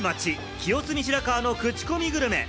清澄白河のクチコミグルメ。